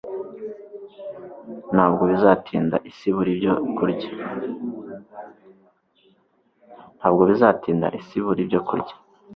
Ntabwo bizatinda isi ibura ibyo kurya.